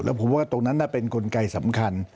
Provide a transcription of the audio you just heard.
ผมว่าตรงนั้นเป็นกลไกสำคัญ